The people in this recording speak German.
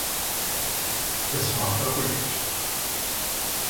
Es war verrückt!